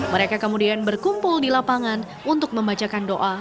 mereka kemudian berkumpul di lapangan untuk membacakan doa